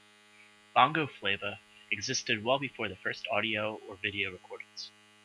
"Bongo flava" existed well before the first audio or video recordings.